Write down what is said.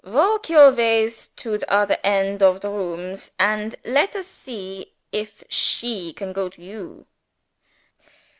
"Walk your ways to the odder end of the rooms and let us see if she can go to _you.